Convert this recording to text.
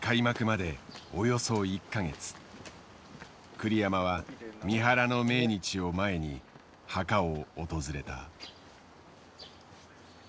栗山は三原の命日を前に墓を訪れた。